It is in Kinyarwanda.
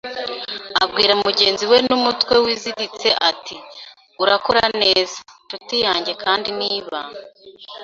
Abwira mugenzi we n'umutwe wiziritse ati: "Urakora neza, nshuti yanjye, kandi niba